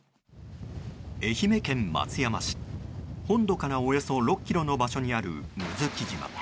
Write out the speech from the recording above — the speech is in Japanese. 愛媛県松山市本土からおよそ６ｋｍの場所にある睦月島。